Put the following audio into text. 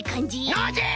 ノージー！